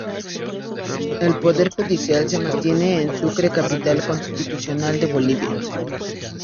El Poder Judicial se mantiene en Sucre, capital constitucional de Bolivia.